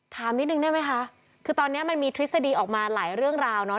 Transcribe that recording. ถามนิดนึงได้ไหมคะคือตอนนี้มันมีทฤษฎีออกมาหลายเรื่องราวเนาะ